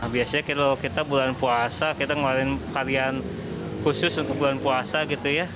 biasanya kalau kita bulan puasa kita ngeluarin varian khusus untuk bulan puasa gitu ya